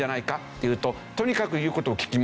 っていうととにかく。